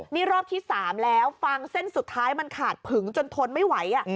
นี่รอบที่๓แล้วฟังเส้นสุดท้ายมันขาดผึงจนทนไม่ไหว